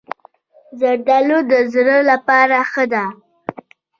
زردالو د زړه لپاره ښه ده.